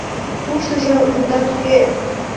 - Туштыжо, мутат уке...